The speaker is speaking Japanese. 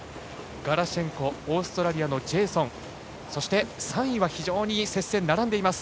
ガラシェンコオーストラリアのジェイソンそして、３位は非常に接戦並んでいます。